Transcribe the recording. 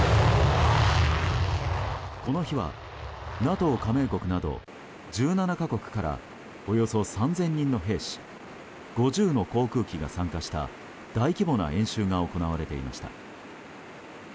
この日は、ＮＡＴＯ加盟国など１７か国からおよそ３０００人の兵士５０の航空機が参加した大規模な演習が行われていました。